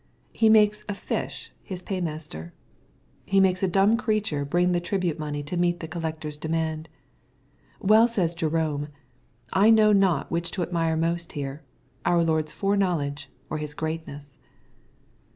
He makes a fish his paymaster. He makes a dumb creature bring the tribute^money to meet the collector's demand. Well says Jerome, " I know not which to admire most here, our Lord's foreknowledge, or His greatness."